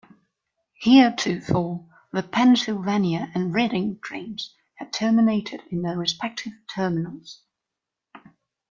Heretofore the Pennsylvania and Reading trains had terminated in their respective terminals.